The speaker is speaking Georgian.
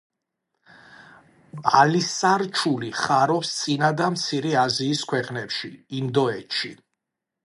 ალისარჩული ხარობს წინა და მცირე აზიის ქვეყნებში, ინდოეთში.